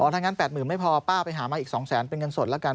ถ้างั้น๘๐๐๐ไม่พอป้าไปหามาอีก๒แสนเป็นเงินสดแล้วกัน